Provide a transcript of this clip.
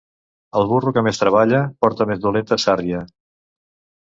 El burro que més treballa porta més dolenta sàrria.